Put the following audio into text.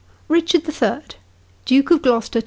" RICHARD THE THIRD. DUKE OF GLO'STER, 21.